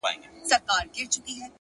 هره هڅه د بدلون څپه جوړوي!